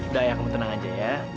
udah ya kamu tenang aja ya